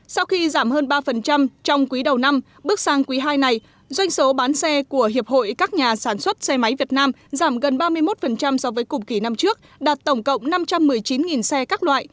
sau khi giảm hơn ba trong quý đầu năm bước sang quý ii này doanh số bán xe của hiệp hội các nhà sản xuất xe máy việt nam giảm gần ba mươi một so với cùng kỳ năm trước đạt tổng cộng năm trăm một mươi chín xe các loại